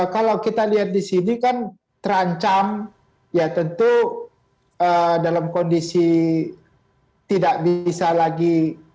kalau kita lihat di sini kan terancam ya tentu dalam kondisi tidak bisa lagi